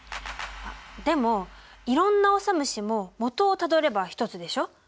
でもいろんなオサムシも元をたどれば一つでしょ？